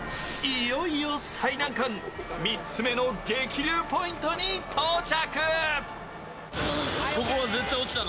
いよいよ最難関３つ目の激流ポイントに到着。